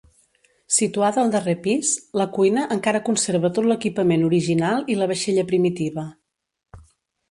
Situada al darrer pis, la cuina encara conserva tot l'equipament original i la vaixella primitiva.